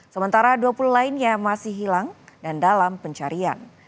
sementara dua puluh lainnya masih hilang dan dalam pencarian